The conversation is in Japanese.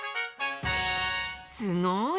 すごい！